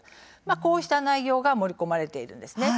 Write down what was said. こうした内容が盛り込まれているんです。